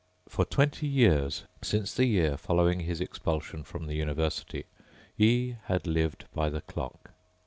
For twenty years, since the year following his expulsion from the university, he had lived by the clock.